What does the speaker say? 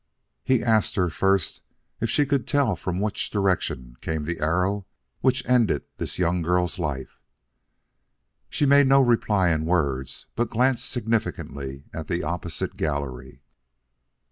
"'He asked her first if she could tell them from which direction came the arrow which ended this young girl's life. "'She made no reply in words; but glanced significantly at the opposite gallery.